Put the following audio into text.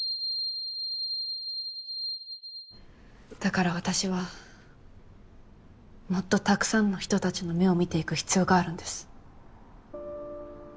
だから私はもっとたくさんの人たちの目を見ていく必要があるんです。